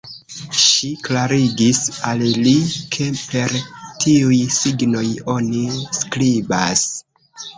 Ŝi klarigis al li, ke per tiuj signoj oni skribas.